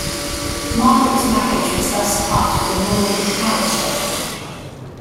Margaret's marriage was thus a part of the Nordic power struggle.